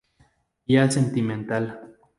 Guía sentimental".